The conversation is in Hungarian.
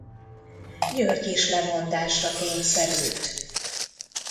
György is lemondásra kényszerült.